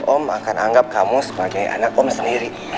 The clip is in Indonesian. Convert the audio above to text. om akan anggap kamu sebagai anak om sendiri